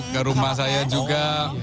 ke rumah saya juga